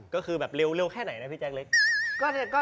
ก็คือแบบเร็วแค่ไหนนะพี่แจ๊คเล็ก